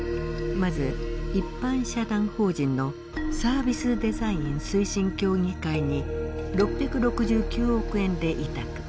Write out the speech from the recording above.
まず一般社団法人のサービスデザイン推進協議会に６６９億円で委託。